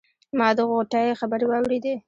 ما د غوټۍ خبرې واورېدې.